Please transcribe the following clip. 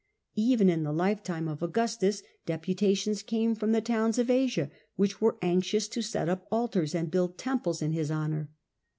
Even in the lifetime of Augustus deputations came from towns of Asia which were anxious to set up altars and build temples in his honour.